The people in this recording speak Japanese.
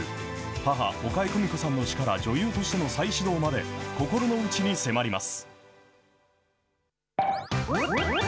母、岡江久美子さんの死から女優としての再始動まで心の内に迫ります。